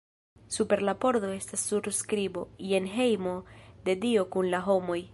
Super la pordo estas surskribo: Jen hejmo de Dio kun la homoj.